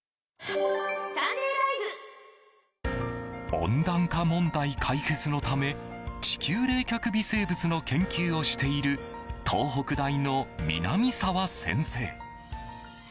温暖化問題解決のため地球冷却微生物の研究をしている東北大の南澤先生。